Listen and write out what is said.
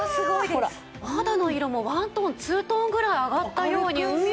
お肌の色もワントーンツートーンぐらい上がったように見えますよね。